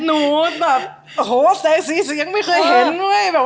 หนูแบบโอ้โหแสงสีเสียงไม่เคยเห็น